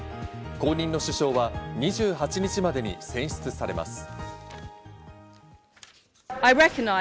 後任の首相は２８日までに選出されます。